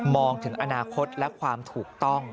ถึงอนาคตและความถูกต้อง